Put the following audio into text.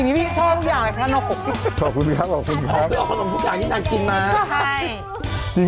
ขอขอบคุณวันเกิดพี่หนุ่มค่ะ